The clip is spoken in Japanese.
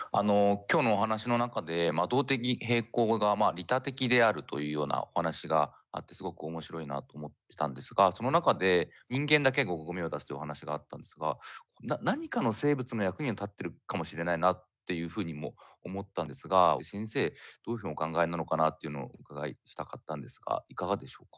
今日のお話の中で動的平衡が利他的であるというようなお話があってすごく面白いなと思ってたんですがその中で人間だけがゴミを出すというお話があったんですが何かの生物の役には立ってるかもしれないなというふうにも思ったんですが先生どういうふうにお考えなのかなというのをお伺いしたかったんですがいかがでしょうか？